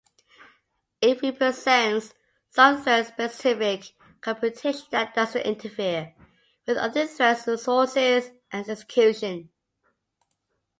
It represents some thread-specific computation that doesn't interfere with other threads' resources and execution.